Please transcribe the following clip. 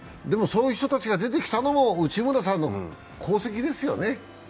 そういう人たちが出てきたのも内村さんの功績ですよね。